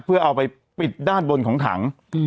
เพื่อเอาไปปิดด้านบนของถัง